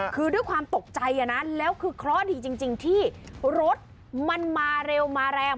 คือด้วยความตกใจนะแล้วคือเคราะห์ดีจริงที่รถมันมาเร็วมาแรง